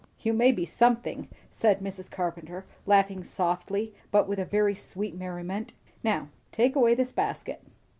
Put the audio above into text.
"You may be something," said Mrs. Carpenter laughing slightly, but with a very sweet merriment. "Now take away this basket."